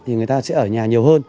thì người ta sẽ ở nhà nhiều hơn